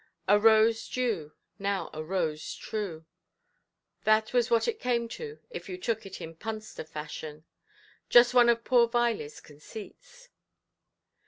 "A rose due, now a rose true". That was what it came to, if you took it in punster fashion. Just one of poor Vileyʼs conceits.